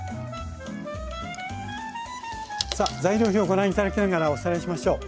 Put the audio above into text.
さあ材料表をご覧頂きながらおさらいしましょう。